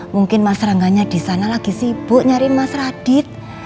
mungkin mas rangganya di sana lagi sibuk nyari mas radit